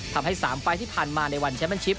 ทำให้๓ไฟล์ที่ผ่านมาในวันแชมเป็นชิป